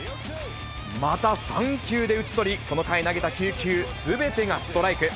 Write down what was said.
また３球で打ち取り、この回投げた９球、すべてがストライク。